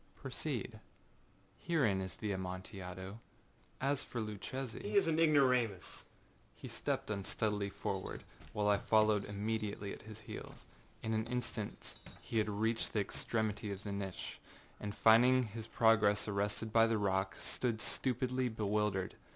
âProceed,â I said; âherein is the Amontillado. As for Luchesiââ âHe is an ignoramus,â interrupted my friend, as he stepped unsteadily forward, while I followed immediately at his heels. In an instant he had reached the extremity of the niche, and finding his progress arrested by the rock, stood stupidly bewildered.